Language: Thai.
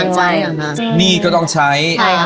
จึงมี่ก็ต้องใช้